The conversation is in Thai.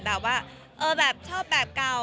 แบบว่าแบบชอบแบบเก่า